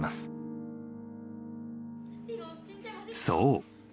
［そう。